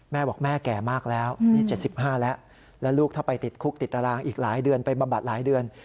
แม่บอกแม่แก่มากแล้วนี่๗๕แล้วแล้วลูกถ้าไปติดคุกติดตารางอีกหลายเดือนไปบำบัดหลายเดือน